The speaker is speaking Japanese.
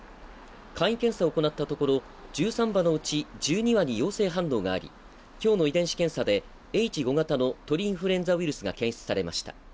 簡易検査を行ったところ、１３羽のうち１２羽に陽性反応があり今日の遺伝子検査でＨ５型の鳥インフルエンザが検出されました。